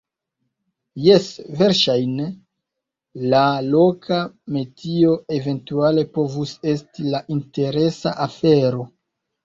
Jes, verŝajne, la loka metio eventuale povus esti la interesa afero.